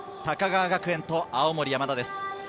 高川学園と青森山田です。